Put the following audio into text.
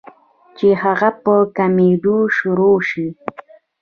چې هغه پۀ کمېدو شورو شي